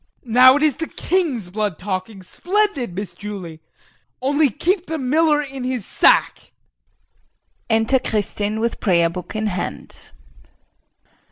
Now it is the king's blood talking. Splendid, Miss Julie! Only keep the miller in his sack. [Enter Kristin with prayer book in hand.